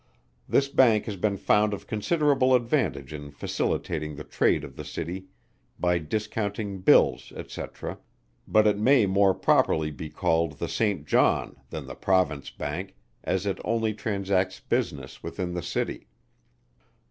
This Bank has been found of considerable advantage in facilitating the trade of the City by discounting Bills, &c. but it may more properly be called the St. John, than the Province Bank, as it only transacts business within the City.